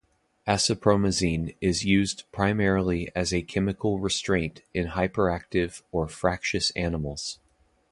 Acepromazine is used primarily as a chemical restraint in hyperactive or fractious animals.